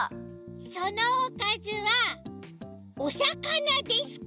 そのおかずはおさかなですか？